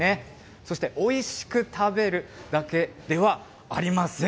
そして、おいしく食べるだけではありません。